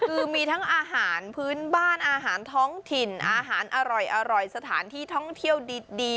คือมีทั้งอาหารพื้นบ้านอาหารท้องถิ่นอาหารอร่อยสถานที่ท่องเที่ยวดี